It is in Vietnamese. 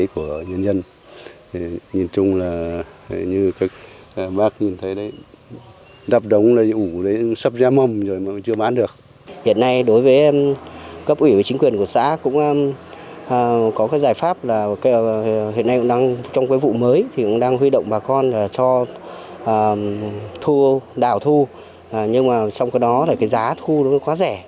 chúng tôi đang huy động bà con cho đảo thu nhưng trong đó giá thu quá rẻ